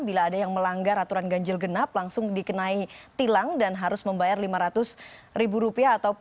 bila ada yang melanggar aturan ganjil genap langsung dikenai tilang dan harus membayar lima ratus ribu rupiah